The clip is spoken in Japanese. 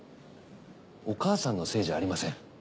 お母さんのせいじゃありません。